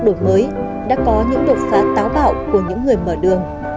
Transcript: công cuộc đổ mới đã có những đột phá táo bạo của những người mở đường